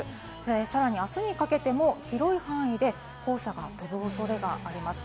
さらに明日にかけても広い範囲で黄砂が飛ぶおそれがあります。